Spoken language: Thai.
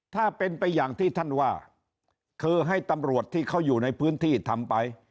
ถ้าเป็นไปอย่างที่ท่านว่าคือให้ตำรวจที่เขาอยู่ในพื้นที่ทำไป